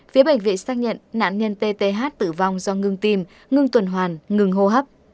phía bệnh viện xác nhận nạn nhân tth tử vong do ngưng tim ngưng tuần hoàn ngừng hô hấp